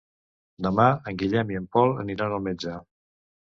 Demà en Guillem i en Pol aniran al metge.